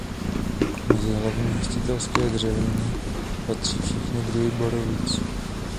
Mezi hlavní hostitelské dřeviny patří všechny druhy borovic.